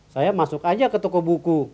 saya masuk aja ke toko buku